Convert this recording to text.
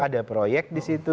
ada proyek disitu